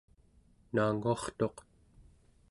naanguartuq